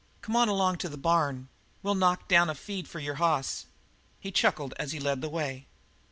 Come on along to the barn and we'll knock down a feed for the hoss." He chuckled as he led the way.